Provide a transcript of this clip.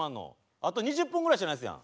あと２０分ぐらいしかないですやん。